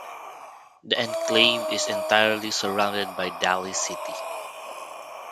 The enclave is entirely surrounded by Daly City.